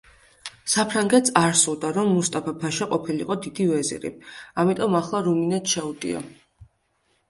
საფრანგეთს არ სურდა, რომ მუსტაფა-ფაშა ყოფილიყო დიდი ვეზირი, ამიტომ ახლა რუმინეთს შეუტია.